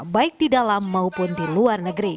baik di dalam maupun di luar negeri